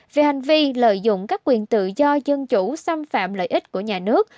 về hành vi lợi dụng các quyền tự do dân chủ xâm phạm lợi ích của nhà nước